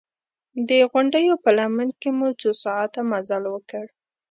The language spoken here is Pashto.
د غونډیو په لمن کې مو څو ساعته مزل وکړ.